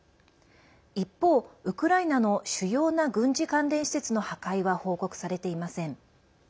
一方、ウクライナの主要な軍事関連施設の破壊は報告されていません。